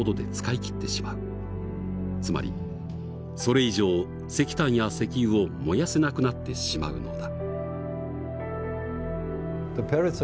つまりそれ以上石炭や石油を燃やせなくなってしまうのだ。